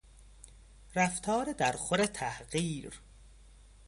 رفتار در خور تحقیر